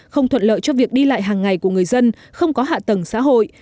không thuận lợi cho việc đi lại hàng ngày của người dân không có hạ tầng xã hội